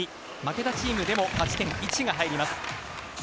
負けたチームでも勝ち点１が入ります。